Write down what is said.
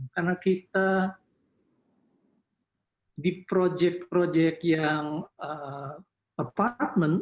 karena kita di proyek proyek yang apartment